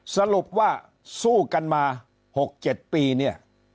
สรุปว่าสู้กันมา๖๗ปีเนี่ย